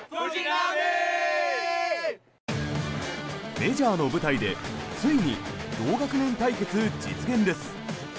メジャーの舞台でついに同学年対決実現です。